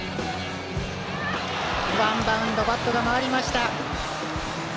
ワンバウンドバットが回りました。